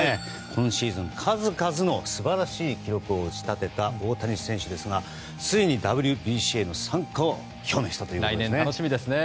今シーズン数々の素晴らしい記録を打ち立てた大谷選手ですがついにＷＢＣへの参加を表明したということですね。